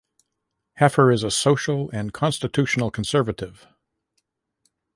Heffer is a social and constitutional conservative.